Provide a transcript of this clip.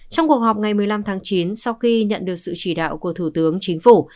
trong cuộc họp ngày một mươi năm tháng chín sau khi nhận được sự chỉ đạo của thủ tướng chính phủ